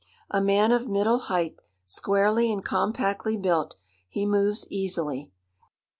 A man of middle height, squarely and compactly built, he moves easily.